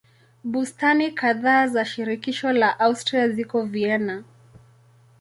Bustani kadhaa za shirikisho la Austria ziko Vienna.